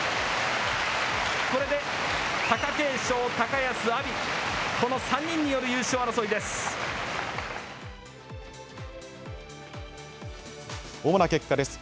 これで貴景勝、高安、阿炎、この３人による優勝争いです。